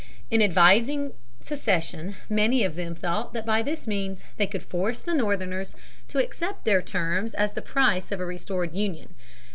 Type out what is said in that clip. In advising secession, many of them thought that by this means they could force the Northerners to accept their terms as the price of a restored Union.